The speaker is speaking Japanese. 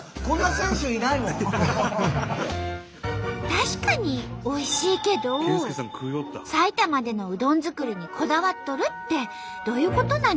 確かにおいしいけど埼玉でのうどん作りにこだわっとるってどういうことなんじゃろうね？